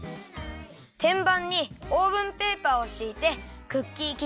てんばんにオーブンペーパーをしいてクッキーきじをならべます。